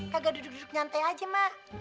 kagak duduk duduk nyantai aja mak